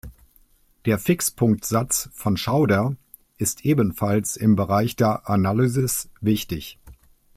Der Fixpunktsatz von Schauder ist ebenfalls im Bereich der Analysis wichtig.